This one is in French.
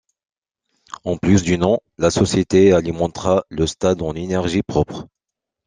En plus du nom, la société alimentera le stade en énergie propre.